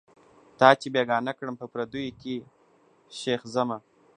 تا چي بېګانه کړم په پردیو کي ښخېږمه